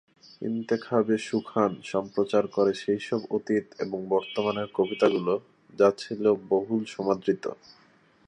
ইনতেখাবে-এ-সুখান সম্প্রচার করে সেইসব অতীত এবং বর্তমানের কবিতাগুলো যা বহুল সমাদৃত।